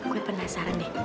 gue penasaran deh